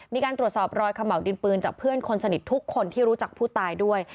มีการตรวจสอบรอยขม่าวดินปืนจากเพื่อนคนสนิททุกคนที่รู้จักผู้ตายด้วย